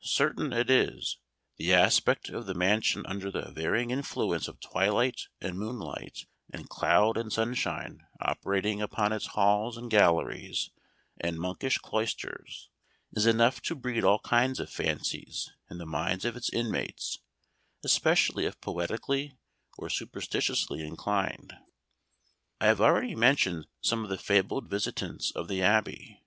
Certain it is, the aspect of the mansion under the varying influence of twilight and moonlight, and cloud and sunshine operating upon its halls, and galleries, and monkish cloisters, is enough to breed all kinds of fancies in the minds of its inmates, especially if poetically or superstitiously inclined. I have already mentioned some of the fabled visitants of the Abbey.